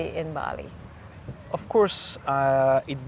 ini membuat saya berpikir